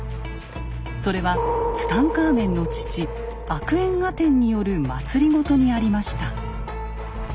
それはツタンカーメンの父アクエンアテンによる政にありました。